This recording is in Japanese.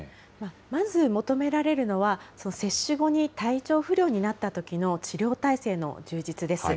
まず求められるのは、接種後に体調不良になったときの治療体制の充実です。